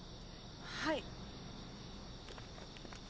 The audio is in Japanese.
はい。